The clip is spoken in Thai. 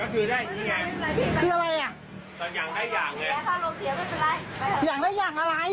สั่งอย่างได้อย่างอะไร